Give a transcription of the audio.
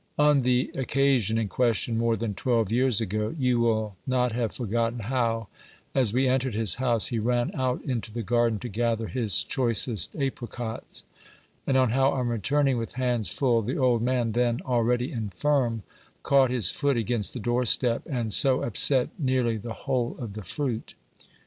On the occasion in question, more than twelve years ago, you will not have forgotten how, as we entered his house, he ran out into the garden to gather his choicest apricots, and how on returning with hands full, the old man, then already infirm, caught his foot against the doorstep, and so upset nearly the whole of the fruit.